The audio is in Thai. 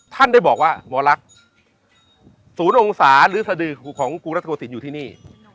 ท่านได้บอกว่าหมอลักษณ์ศูนย์องศาศาสตร์ดือของสินอยู่ที่นี่